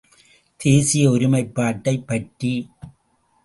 தேசீய ஒரு மைப்பாட்டைப் பற்றி.